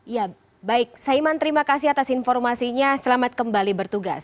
ya baik saiman terima kasih atas informasinya selamat kembali bertugas